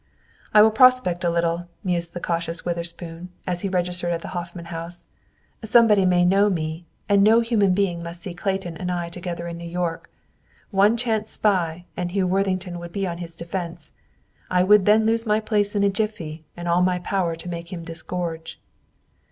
"I will prospect a little," mused the cautious Witherspoon, as he registered at the Hoffman House. "Somebody may know me; and no human being must see Clayton and I together in New York! One chance spy and Hugh Worthington would be on his defense, and I would then lose my place in a jiffy and all power to make him disgorge."